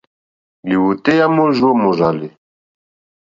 Lìwòtéyá môrzó mòrzàlì.